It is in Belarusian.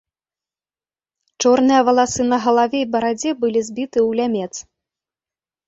Чорныя валасы на галаве і барадзе былі збіты ў лямец.